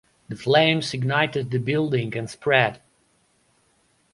The flames ignited the building and spread.